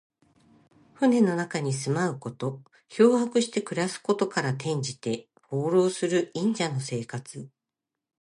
船の中に住まうこと。漂泊して暮らすことから、転じて、放浪する隠者の生活。